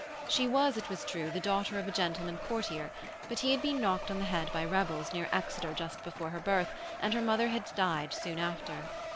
She was, it was true, the daughter of a gentleman courtier, but he had been knocked on the head by rebels near Exeter just before her birth, and her mother had died soon after.